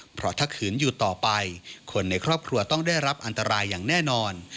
เพราะถ้าขืนอยู่ต่อไปคนในครอบครัวต้องได้รับอันตรายอย่างแน่นอน